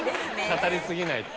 語り過ぎない。